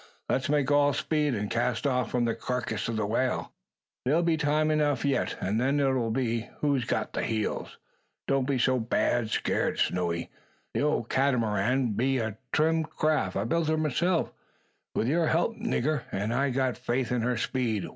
Let's make all speed, and cast off from the karkiss o' the whale. There be time enough yet; and then it'll be, who's got the heels. Don't be so bad skeeart, Snowy. The ole Catamaran be a trim craft. I built her myself, wi' your help, nigger; an' I've got faith in her speed.